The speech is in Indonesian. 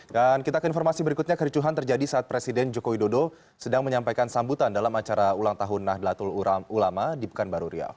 dan kita ke informasi berikutnya kericuhan terjadi saat presiden jokowi dodo sedang menyampaikan sambutan dalam acara ulang tahun nahdlatul ulama di pekanbaru riau